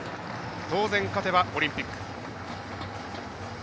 当然、勝てば、オリンピック。